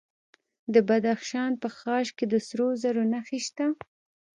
د بدخشان په خاش کې د سرو زرو نښې شته.